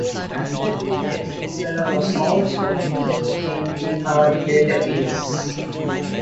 Archduchess Gisela was also known to paint in her later years.